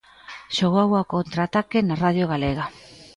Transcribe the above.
Xogou Ao contraataque na Radio Galega.